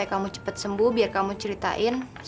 kalau ter continuar ke sini saatnya